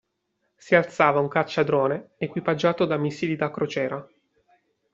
Si alzava un caccia drone equipaggiato da missili da crociera.